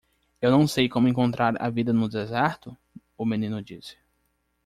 "Eu não sei como encontrar a vida no deserto?" o menino disse.